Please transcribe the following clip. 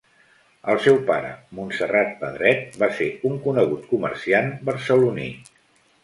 El seu pare, Montserrat Pedret, va ser un conegut comerciant barceloní.